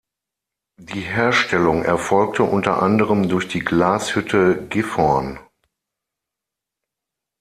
Die Herstellung erfolgte unter anderem durch die Glashütte Gifhorn.